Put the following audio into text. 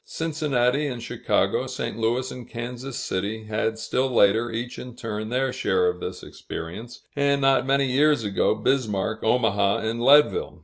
Cincinnati and Chicago, St. Louis and Kansas City, had still later, each in turn, their share of this experience; and, not many years ago, Bismarck, Omaha, and Leadville.